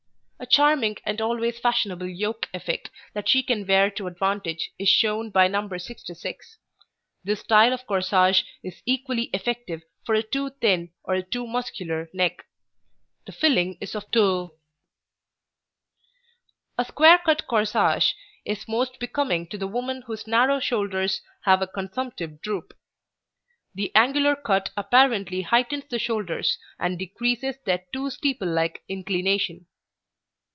A charming and always fashionable yoke effect that she can wear to advantage is shown by No. 66. This style of corsage is equally effective for a too thin or a too muscular neck. The filling is of tulle. A square cut corsage is most becoming to the woman whose narrow shoulders have a consumptive droop. The angular cut apparently heightens the shoulders and decreases their too steeple like inclination.